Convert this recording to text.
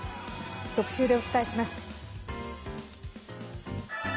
特集でお伝えします。